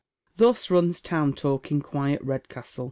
Thus runs town talk in quiet Redcastle.